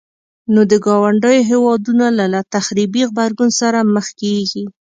نو د ګاونډيو هيوادونو له تخريبي غبرګون سره مخ کيږي.